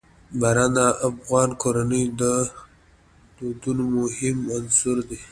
باران د افغان کورنیو د دودونو مهم عنصر دی.